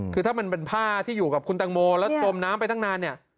คือถ้ามันเป็นผ้าที่อยู่กับคุณตังโมแล้วจมน้ำไปตั้งนานเนี่ย